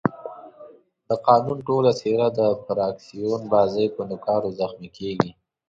د قانون ټوله څېره د فراکسیون بازۍ په نوکارو زخمي کېږي.